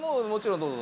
もちろん。